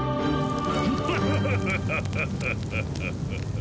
ハハハハハハッ！